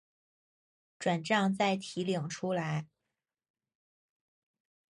转帐再提领出来